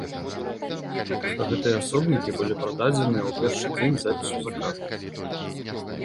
Гэтыя асобнікі былі прададзеныя ў першы дзень запісу заказаў.